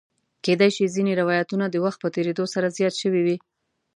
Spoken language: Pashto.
کېدای شي ځینې روایتونه د وخت په تېرېدو سره زیات شوي وي.